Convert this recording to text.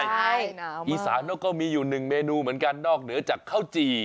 ใช่น้าวมากอีศานก็มีอยู่นึงเมนูเหมือนกันนอกเหนือกับข้าวจี